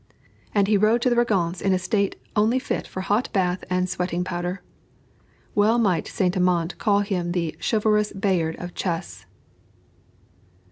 And he rode to the Régence in a state only fit for a hot bath and sweating powder. Well might Saint Amant call him the "chivalrous Bayard of Chess."